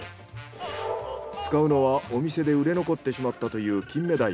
使うのはお店で売れ残ってしまったというキンメダイ。